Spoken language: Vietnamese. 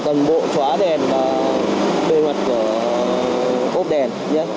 toàn bộ chóa đèn và bề mặt ốp đèn nhé